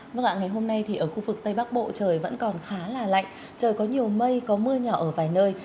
vâng ạ ngày hôm nay thì ở khu vực tây bắc bộ trời vẫn còn khá là lạnh trời có nhiều mây có mưa nhỏ ở vài nơi